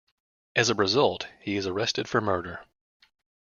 As a result, he is arrested for murder.